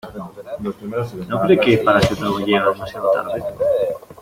¿ no cree que, para ser nuevo , llega demasiado tarde?